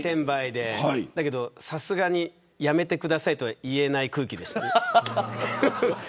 でも、さすがにやめてくださいとはいえない空気でした。